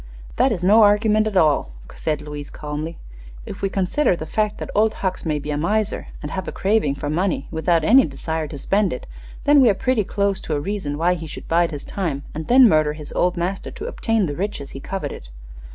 "That is no argument at all," said Louise, calmly. "If we consider the fact that Old Hucks may be a miser, and have a craving for money without any desire to spend it, then we are pretty close to a reason why he should bide his time and then murder his old master to obtain the riches he coveted.